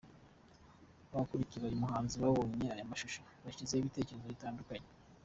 Abakurikira uyu muhanzi babonye aya mashusho bashyizeho ibitekerezo bitandukanye.